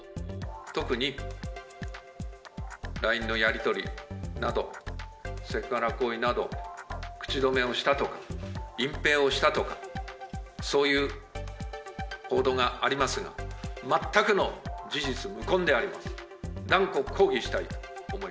特に、ＬＩＮＥのやり取りなど、セクハラ行為など、口止めをしたとか、隠蔽をしたとか、そういう報道がありますが、全くの事実無根であります。